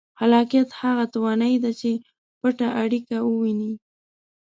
خلاقیت هغه توانایي ده چې پټه اړیکه ووینئ.